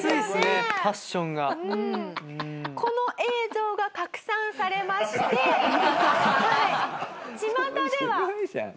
この映像が拡散されましてちまたでは。